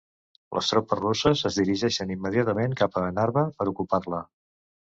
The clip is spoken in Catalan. Les tropes russes es dirigiren immediatament cap a Narva per ocupar-la.